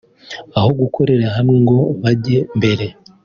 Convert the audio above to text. Aho gukorera hamwe ngo bajye mbere